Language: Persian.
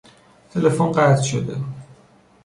تلفن قطع شده.